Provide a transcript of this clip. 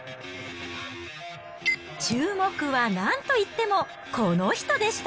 注目はなんといってもこの人でした。